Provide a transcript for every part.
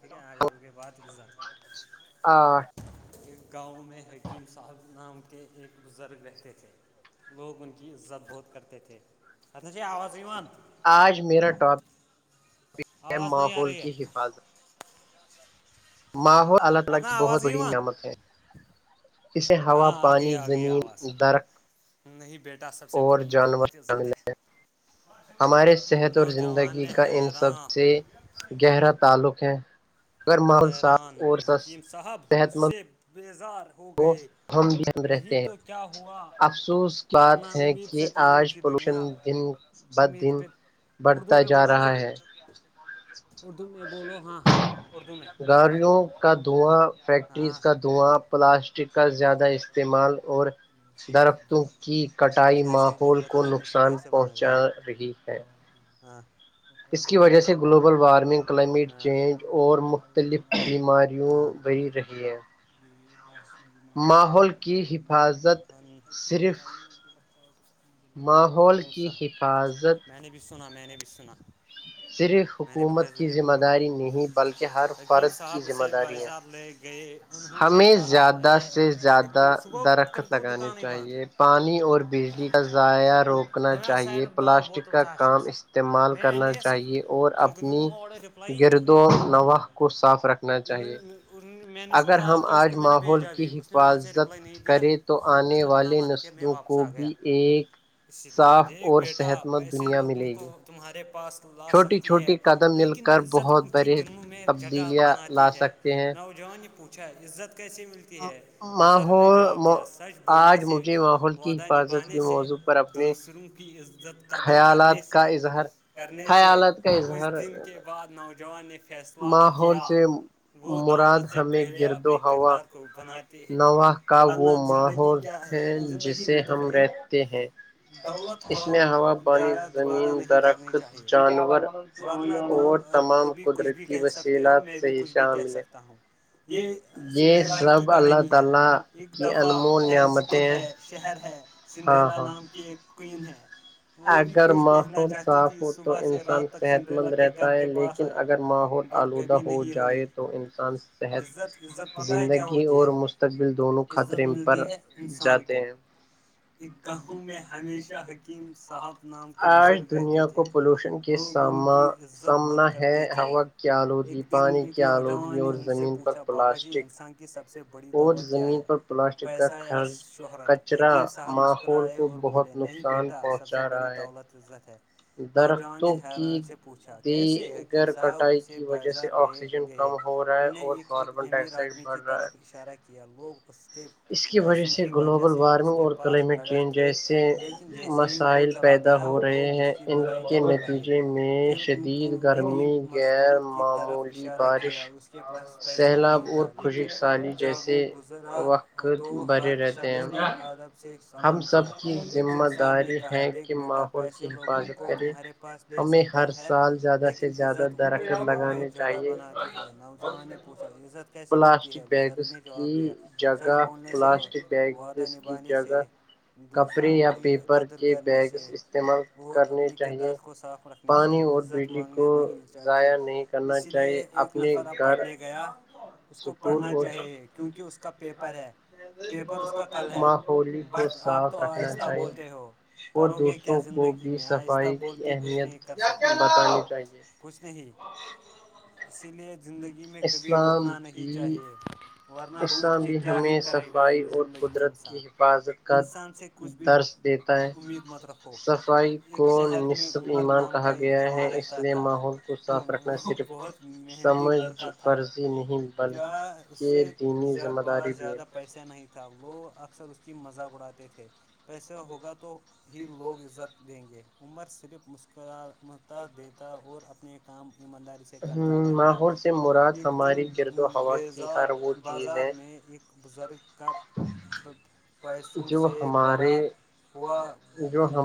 ٹھیک ہے آ جاؤ کے بعد دورا گاؤں میں حکیم صاحب نام کے ایک بزرگ رہتے تھے لوگ ان کی عزت بہت کرتے تھےچی آوازیں آج میرا ٹاپکم ماحول کی حفاظت ماحول اللہ تعالی کی بہت بڑی نعمت ہے اسے ہوا پانی زمین درخت نہیں بیٹا سب سے بڑی دولت عزت ہے نوجوان حیراں گہرا تعلق ہے حیران حکیم صاحب اس سے بیزار وہ ہم بھیند رہتے ہیں افسوس بات ہے کہ آج پولوشن بد دن بڑھتا جا رہا ہے اردو میں بولو ہاں اردو میں گاڑیوں کا دھواں فیکٹریز کا دواں پلاسٹک کا زیادہ استعمال اور درختوں کی کٹائی ماحول کو نقصان پہنچا رہی ہے ہاں اس کی وجہ سے گلوبل وارمنگ کلائمیٹ چینج اور مختلف بیماریوں بی رہی ہے لاسٹ میں بھی مانگ سکتے ہیں پیکنگانگ آلو ماحول کی حفاظت بشونا میں نے بشونا صرف حکومت کی ذمہ داری نہیں بلکہ ہر فرد کی ذمہ داری ہے ہمیں زیادہ سے زیادہ درخت لگانانی چاہیے پانی اور بجلی کا ضائع روک رکنا چاہیے پلاسٹک کا کام استعمال کرنا چاہیے اور اپنی گرد و نواح کو صاف رکھنا چاہیے اگر ہم آج ماحول کی حفاظت کریں تو آنے والے نسلوں کو گوبھی ایک اس لیے دیکھ بیٹا پیسے لوگوں کو تمہارے پاس لا سکتی ہے لیکن عزت ان کی دنوں میں جگہ بناتی ہے نہ اس جوان یہ پوچا ہے عزت کیسے ملتی ہے بزرگ نے جواب دیا سچ بولنے سے وعدہ نبھانے سے دوسروں کی عزت قدر کرنے سے کرنے سے اس دن کے بعد نوجوان نے فیصلہ کیا وہ دولت سے پہلے اپنے کردار کو بناتے ہیں ورنہ زندگی کیا ہے زندگی لطف ہے ہیں اس میں ہوا پانی زمین درخت جانور وہ تمام قدرتی وصیلات سے ہی شامل ہے [inaudible] سب اللہ تعالی کی انمول نعمتیں ہیں ہاں ہاں کی کوئین ہے وہ بھی کچھ کہنا چاہتی تھی صبح سے رات تک سنڈریلا کے گھر کے پاس آئی بٹ کبھی نہیں ہوئی عزت عزت پت ہے کیا ہوتی عزت ملتی ہے انسان کو ایک گاہوں میں ہ ہمیشہ حکیم صاحب نام کے بزرگ رہتے تھے لوگ ان کی عزت بہت کرتے تھے ایک دن ایک نوجوان نے ان سے پوچھا بابا جی انسان کے سب سے بڑی دولت کیا ہے پیسہ یا شہرت حکیم صاحب مسکرائے اور بولے نہیں بیٹا سب سے بڑی دولت عزت ہے نوجوان نے حیران سے پوچھا کیسے حکیم صاحب اسے بازار لے گئے ان نے ایک ایک امیر آدمی کی طرف اشارہ کیا لوگ اس کے پیسوں کی وجہ سے اس کے پاس کھڑے تھے لیکن جیسے ہی وہ چلا گیا لوگ اس کی برائی کرنے لگے پھر ان کو غریب مزدور کی طرف اشارہ کیا اس کے پاس پیسے نہیں تھا لیکن جب وہ گزرا تو ہر شخص نے ادب سے سلام کیا حکیم صاحب نے کہا دیکھ بیٹا پیسے لوگوں کو تمہارے پاس لے سک ہے لیکن عزت ان کو دنوں میں جگہ بناتی ہے نوجوان نے پوچھا عزت کیسی ملتی ہے [unintelligible] بزرگ نے جواب دیا سچ بولنے سے وعدہ نبھانے سے دوس کی قدر کرنے سے اور اپنے کردار کو صاف رکھنے سے عزت مانگنے نہیں جاتی اسی لیے ایک نفر اب پڑھنے گیا اس کو پڑھنا چاہیے ہے کیونکہ اس کا پیپر ہے پیپر اس کا کل ہے بٹ آپ تو آئے سے بولتے ہو کرو گے کیا زندگی میں آہستہ بول کے کچھ نہیں کر سکتے کچھ نہیں اسی لیے زندگی میں کبھی روٹنا نہیں چاہیے ورنہ روٹ کے کیا ہی کرے گا ان زندگی سےر کی کی حفاظت کر درس دیتا ہے صفائی کو نصت ایمان کہا گیا ہے اس اس لیے ماحول کو صاف رکھنا صرف سمجھ فرضی نہیں بلکہ کے دینی ذمہ داری لے تھا وہ اکثر اس کی مذاق اڑاتے تھے پیسہ ہوگا تو ہی لوگ عزت دیں گے عمر صرف مسکرت دیتا اور اپنے کام ایمانداری سے کرتا رہتا ایک جنم بزار بازار میں ایک بزرگ کا پیسوں سے بھرا ہوا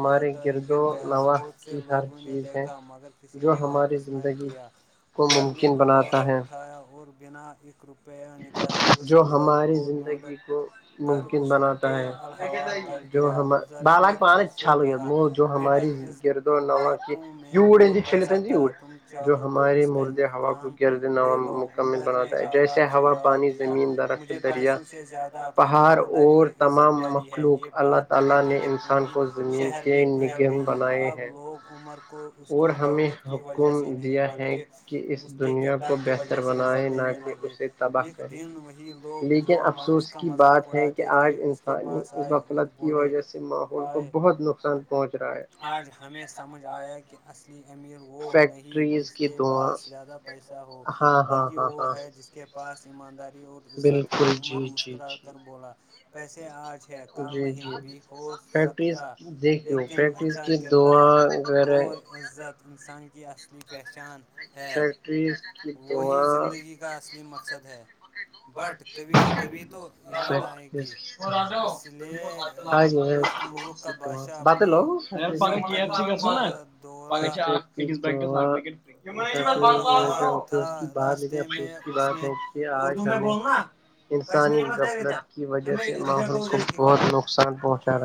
بیتائی گر گیا بہت سے لوگوں نے دیکھا مگر کسی نے واپس نہ کیا عمر نے بتایا اٹھایا اور بنا ایک روپے پ نکالے اس بزرگ کو ڈھونڈ کر اس کے الحوال کر جو ہم بالک پانی ا چھا ل ہو گیا مہ جو ہماری گرد و نو کی چ جو ہمارے مرد ہوا کو گرد مکمل بناتا جیس ہوا پانی زمین درخت دریا پہاڑ اور تمام مخلوق اور اللہ تعالی نے انسان کو زمین کے نگم بنائے ہیں اور ہمیں حکم دیا ہے کہ اس دنیا کو بہتر بنائے نہ کہ اسے باہ کریں لیکن افسوس کی بات ہے کہ آج انسانی غفلت کی وجہ سے ماحول کو بہت نقصان پہنچ رہا ہے اصلی امیر وہ نہیں جس کے پاس زیادہ پیسہ ہو بلکہ وہ ہے جس کے پاس ایمانداری اور عزت ہو عمر مسکرا کر بولا پیسے آج ہے کل نہیں بھی ہو سکتا لیکن اچھا کردار اور عزت انسان کی اصلی پہچان ہے تو اچ اچا جی باتلو بات ا کی بات ہے کہ آج انسانی غفلت کی وجہ سے ماحول کو بہت نقصان پہنچا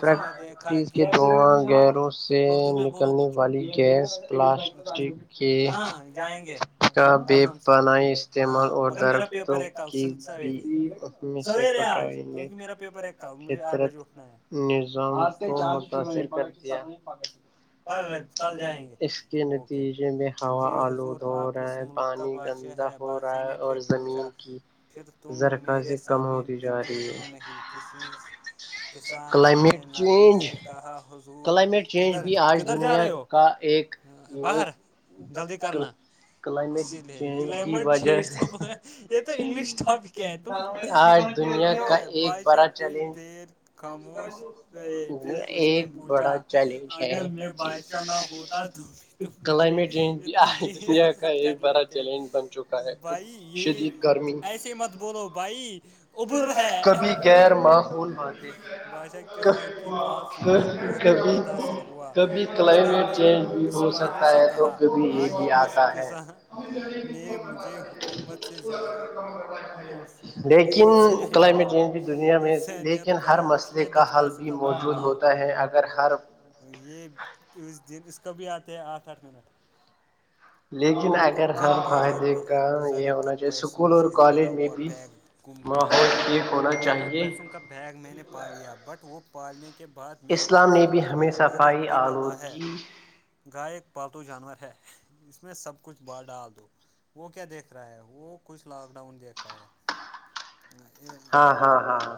فریکٹریز کے دوراں گیروں سے نکلنے والی گیس پلاسٹک کے کا بے پناہی استعمال اور فچ فطرت نظام کو متاثر کر دیا اس کے نتیجے میں ہوا آلود ہو رہا ہے پانی گندا بادشاہ نے پھر پوچھا پھر تم میرے سامنے جکے کیوں نہیں کسی کسان نے نرمی سے کہا حضور کدھر آج دنیا کا ایک کلائمیٹ چینج کی وجہ سے آج دنیا کا ایک بڑا چیلنج ایک بڑا چیلنج کلائمیٹ چینج بھی آ کا یہ بار چیلنج بن چکا ہے شدید گرمی کبھی غیر ماحول ب ک کبھی کبھی کلائمیٹ چینج بھی ہو سکتا ہے تو کبھی یہ بھی آتا ہے ات لیکن کلائمیٹ چینج بھی دنیا میں لیکن لیکن ہر مسئلے کا حل بھی موجود ہوتا ہے اگر ہر یہ اس دن اس کا بھیھی آتے ہے آٹھ آٹھ منٹ لیکن اگر ہم فائدے کا یہ ہونا چاہیے اسکول اور کالج میں بھی ماحول ٹھیک ہونا چاہیے بیگ میں نے پال لیا بٹ وہ پالنے کے بعد میں لالچ میں پڑ گیا لالچ بری بلہ ہے گائے ایک پالتو جانور ہے اس میں سب کچھ با ڈال دو وہ کیا دیکھ رہا ہے وہ کچھ لاک ڈاؤن دیکھ رہا ہے ہ یہ ہاں ہاں ہاں ہاں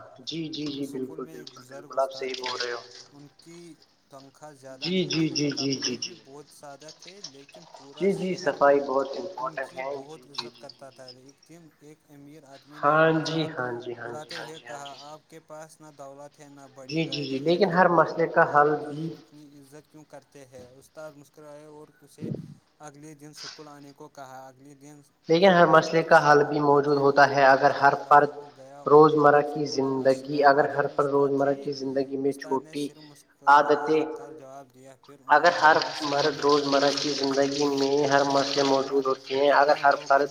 ایک سکول میں ایک بزرگ استاد تھے ان کی کھا زیادہ نہیں تھی کپڑے بھی بہت سادہ تھے لیکن پورا شہر ان کی بہت عزت کر آتا ہے ایک دن ایک امیر آدمی نے مذاق اڑاتے ہوئے کہا آپ کے پاس نہ دولت ہے نہ بڑی گاڑی ہے پھر لوگ آپ کی عزت کیوں کرتے ہیں استاد مسکرائے اور اسے اگلے دن اسکول آنے کو کہا اگلیے دن لیکن ہر مسئلے کا حل بھی موجود ہوتا ہے اگر ہر فرد روز مرہ کی زندگی اگر ہر فل روزمرہ کی زندگی میں چھوٹی عادتیں اگر ہر مرد روز مرہ کی زندگی میں ہر مسئلے موجود ہوتے ہیں اگر ہر فرض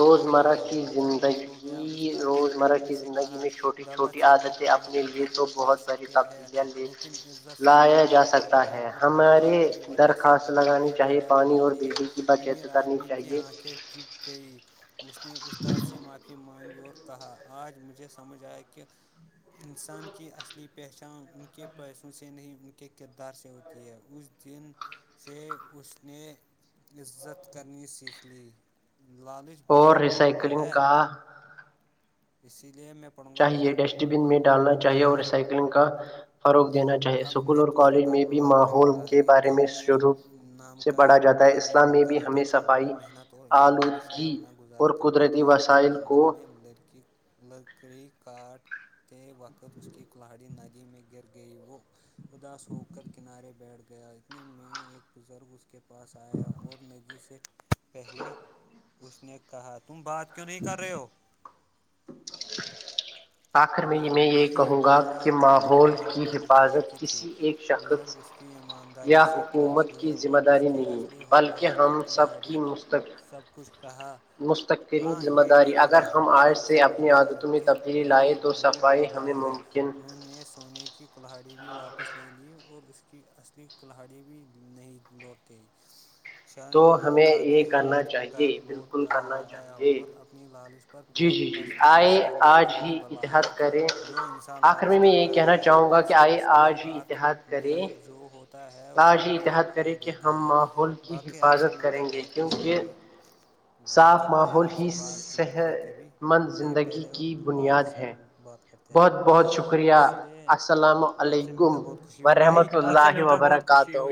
روزمرہ کی زندگی روزمرہ کی زندگی زگی میں چھوٹی چھوٹی عادتیں اپنے لیے تو بہت بڑی تبدلیاں لے عزت صرف تمہاری کردار اور اخلاق کی وجہ سے دلوں میں جگہ بناتی ہے امیر آدمی کی آنکھیں چگ گئی اس نے استاد سے معافی مانگی اور کہا آج مجھے سمجھ آئے کہ انسان کی اصلی پہچان ان کے پیسوں سے نہیں ان کے کردار سے اتی د اس دن سے اس نے عزت کرنی سیکھ لی لالچ اور ریسائکلنگ کا اسی لیے میں چاہیے ڈسٹ بین میں ڈالنا چاہیے اور ریسائکلنگ کا فروغ دینا چاہیے میں دوسرا ٹاپ پہ بات کروں گا ایک گاؤں میں ایک نام کا ایک غریب لڑکا رہتا تھا وہ محنت اور ایمانداری سے اپنا گزارا کرتا تھا ایک دن جنگل میں لڑکی لکڑی کاٹتے وقت اس کی کلاڑی ندی میں گر گئی وہ اداس ہو کر کنارے بیٹھ گیا اتنے میں ایک بزرگ اس کے پاس آیا اور ندی سے پہلے اس نے کہا تم بات کیوں نہیں کر رہے ہو ج آخر میں میں یہ کہوں گا کہ ماحول کی حفاظت کسی ایک بزرگ اس کی ایمانداری سے خوش ہوئے اور اس کی اصلی لوہے کی سب کی مستقل سب کچھ کہا مستقرین ذمہ داری اگر ہم آج سے گیا کہ وہ جوٹ بو رہا ہے ن نے سونے کی کلہڑی بھی واپس لے لی اور اس کی اصلی کلہڑی بھی نہیں لوٹتے ش خالی ہاتھ گھر لوٹ آیا اور اپنی لالچ پر بہت پچ ایسی لالش بری بلا ہے جو انسان لالچ کرتا ہے اکثر اس کے ہاتھ میں جو ہوتا ہے وہ بھی کھو دیتا ہے باقی حفاظت کریں گے کیونکہ صاف ماحول ہی صحت مند زندگی کی بنیاد ہیں بہت بہت شکریہ السلام علیکم وورحمۃ اللہ وبرکاتہ